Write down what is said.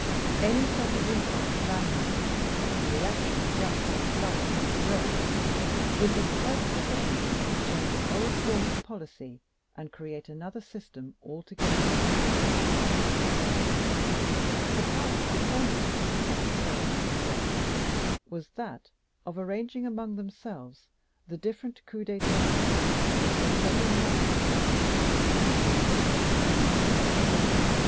Any sudden impulse of anger, the reaction of young hot blood upon the brain, would be quite sufficient to change an old form of policy and create another system altogether. The part that diplomatists had to play in those days was that of arranging among themselves the different coups d'etat which their sovereign masters might wish to effect.